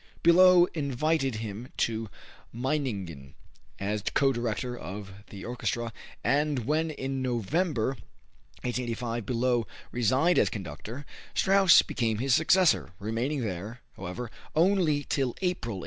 Bülow invited him to Meiningen as co director of the orchestra, and when in November, 1885, Bülow resigned as conductor, Strauss became his successor, remaining there, however, only till April, 1886.